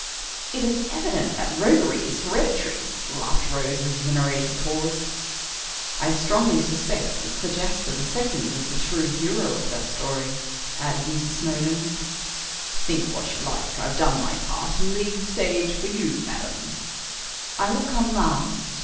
"It is evident that roguery is hereditary," laughed Rose as the narrator paused. "I strongly suspect that Sir Jasper the second was the true hero of that story," added Mrs. Snowdon. "Think what you like, I've done my part, and leave the stage for you, madam." "I will come last.